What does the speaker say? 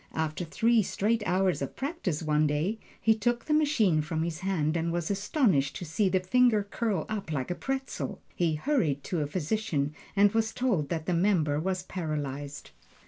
After three straight hours of practise one day, he took the machine from his hand and was astonished to see the finger curl up like a pretzel. He hurried to a physician and was told that the member was paralyzed.